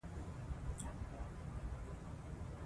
شهید محمد داود خان تر نورو ښوونکی وو.